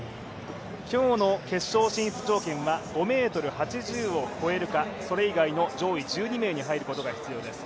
今日の決勝進出条件は５ｍ８０を越えるかそれ以外の上位１２名に入ることが必要です。